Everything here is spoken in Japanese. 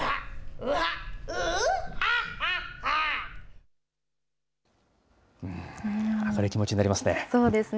うはっ、明るい気持ちになりますね。